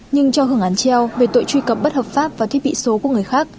nhưng cho hưởng án treo về tội truy cập bất hợp pháp và thiết bị số của người khác